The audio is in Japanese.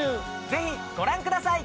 ぜひご覧ください。